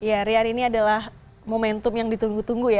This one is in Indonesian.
ya rian ini adalah momentum yang ditunggu tunggu ya